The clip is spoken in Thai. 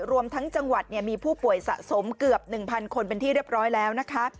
รวมทั้งจังหวัดมีผู้ป่วยสะสมเกือบ๑๐๐คนเป็นที่เรียบร้อยแล้วนะคะ